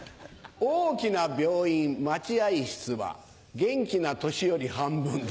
大きな病院待合室は元気な年寄り半分だ。